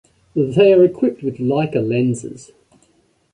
They are equipped with Leica lenses.